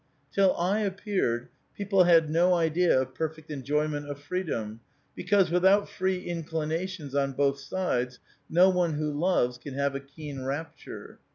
" Till I appeared, people had no idea of perfect enjoy ment of freedom, because, without free inclinations on both sides, no one who loves can have a keen rapture.